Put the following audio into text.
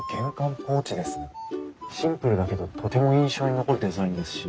シンプルだけどとても印象に残るデザインですし。